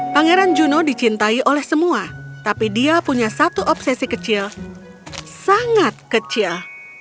pangeran juno dicintai oleh semua tapi dia punya satu obsesi kecil sangat kecil